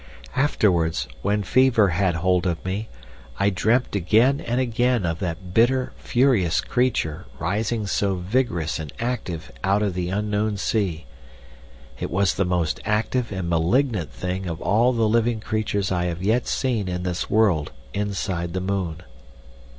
Afterwards, when fever had hold of me, I dreamt again and again of that bitter, furious creature rising so vigorous and active out of the unknown sea. It was the most active and malignant thing of all the living creatures I have yet seen in this world inside the moon....